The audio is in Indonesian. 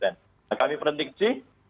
nah kami prediksi